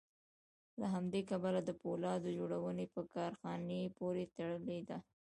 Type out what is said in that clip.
له همدې کبله د پولاد جوړونې په کارخانې پورې تړلې ده